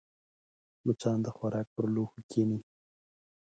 مچان د خوراک پر لوښو کښېني